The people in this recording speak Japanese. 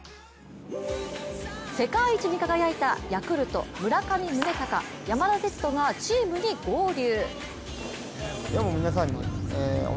世界一に輝いたヤクルト・村上宗隆、山田哲人がチームに合流。